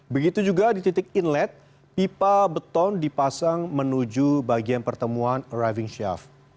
begitu juga di titik inlet pipa beton dipasang menuju bagian pertemuan arriving shaft